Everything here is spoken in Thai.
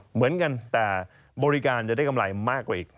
เหมือนกันแต่บริการจะได้กำไรมากกว่าอีก